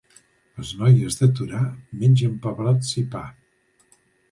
Les noies de Torà mengen pebrots i pa.